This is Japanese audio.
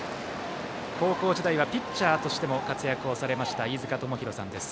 高校時代はピッチャーとしても活躍されました飯塚智広さんです。